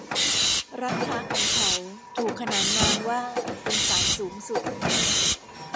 ร้านค้าของเขาถูกขนานนามว่าเป็น ศาลสูงสุด